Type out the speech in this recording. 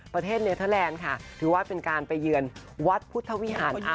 ประเทศเนเทอร์แลนด์ค่ะถือว่าเป็นการไปเยือนวัดพุทธวิหาร